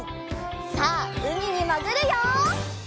さあうみにもぐるよ！